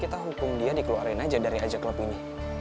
kita humpung dia dikeluarin aja dari ajak klub ini